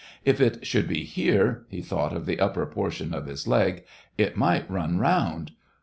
..." If it should be here (he thought of the upper portion of his leg), it might run round.